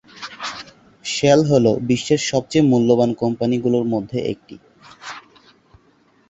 Shell হল বিশ্বের সবচেয়ে মূল্যবান কোম্পানির মধ্যে একটি।